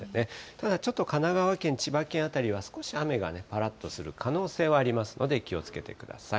ただ、ちょっと神奈川県、千葉県辺りは少し雨がね、ぱらっとする可能性はありますので、気をつけてください。